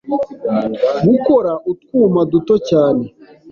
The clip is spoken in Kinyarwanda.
“gukora utwuma duto cyane